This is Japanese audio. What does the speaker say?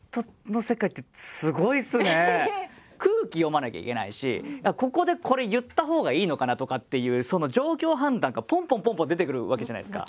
空気読まなきゃいけないしここでこれ言ったほうがいいのかなとかっていうその状況判断がぽんぽんぽんぽん出てくるわけじゃないですか。